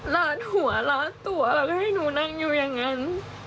ลาดหัวลาดตัวแล้วก็ให้หนูนั่งอยู่อย่างนั้น